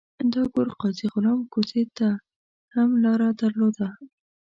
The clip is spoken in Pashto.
دا کور قاضي غلام کوڅې ته هم لار درلوده.